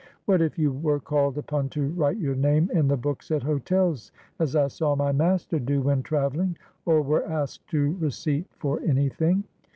"What if you were called upon to write your name in the books at hotels, as I saw my master do when travel ling, or were asked to receipt for any thing?"